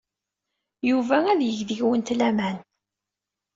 Yuba ad yeg deg-went laman.